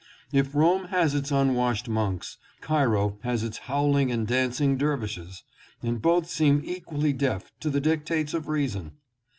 If Rome has its unwashed monks, Cairo has its howling and dancing dervishes, and both seem equally deaf to the dictates of reason.